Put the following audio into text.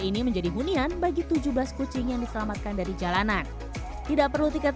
ini menjadi hunian bagi tujuh belas kucing yang diselamatkan dari jalanan tidak perlu tiket